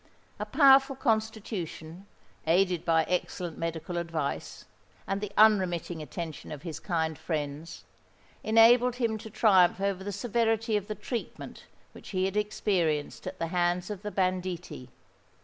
A powerful constitution, aided by excellent medical advice, and the unremitting attention of his kind friends, enabled him to triumph over the severity of the treatment which he had experienced at the hands of the banditti.